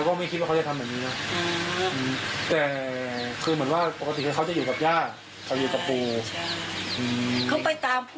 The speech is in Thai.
เขาไปตามพวกมากกว่านะยายเนาะ